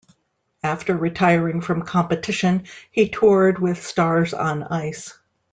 After retiring from competition, he toured with Stars on Ice.